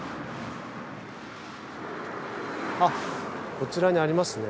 こちらにありますね。